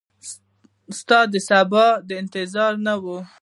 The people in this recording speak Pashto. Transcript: ستا دسبا د انتظار نه وه